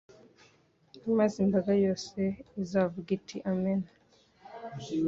Maze imbaga yose izavuge iti Amen